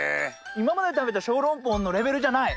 今まで食べた小籠包のレベルじゃない。